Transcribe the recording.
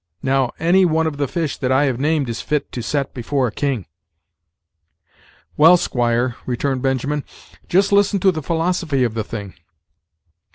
Now, any one of the fish that I have named is fit to set before a king." "Well, squire," returned Benjamin, "just listen to the philosophy of the thing.